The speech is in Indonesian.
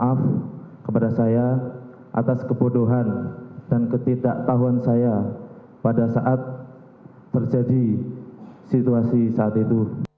dan maaf kepada saya atas kebodohan dan ketidaktahuan saya pada saat terjadi situasi saat itu